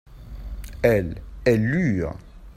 elles, elles lûrent.